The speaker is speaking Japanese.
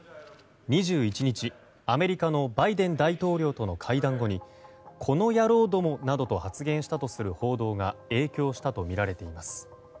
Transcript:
２１日、アメリカのバイデン大統領との会談後に「この野郎ども」などと発言したとする報道が影響したとみられています。